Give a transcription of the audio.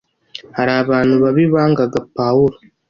Hari abantu babi bangaga Pawulo